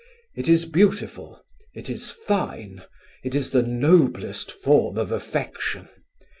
It is beautiful; it is fine; it is the noblest form of affection.